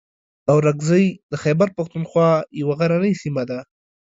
اورکزۍ د خیبر پښتونخوا یوه غرنۍ سیمه ده.